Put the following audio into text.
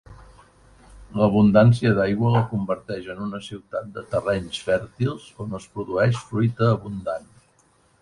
L'abundància d'aigua la converteix en una ciutat de terrenys fèrtils on es produeix fruita abundant.